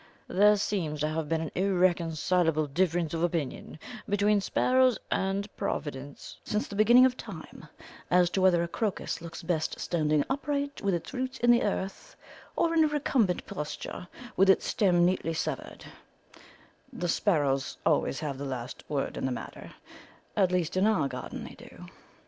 There seems to have been an irreconcilable difference of opinion between sparrows and Providence since the beginning of time as to whether a crocus looks best standing upright with its roots in the earth or in a recumbent posture with its stem neatly severed; the sparrows always have the last word in the matter, at least in our garden they do.